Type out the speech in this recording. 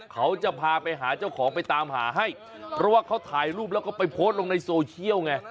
เขาจะพาไปหาเจ้าของไปตามหาให้เพราะว่าเขาถ่ายรูปแล้วก็ไปโพสต์ลงในโซเชียลไง